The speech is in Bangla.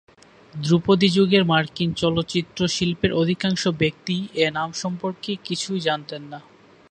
ধ্রুপদী যুগের মার্কিন চলচ্চিত্র শিল্পের অধিকাংশ ব্যক্তিই এ নাম সম্পর্কে কিছু জানতেন না।